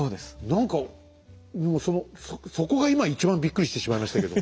何かもうそのそこが今一番びっくりしてしまいましたけども。